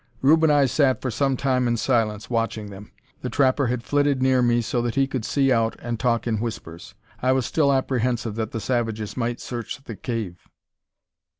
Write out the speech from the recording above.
Rube and I sat for some time in silence, watching them. The trapper had flitted near me, so that he could see out and talk in whispers. I was still apprehensive that the savages might search the cave.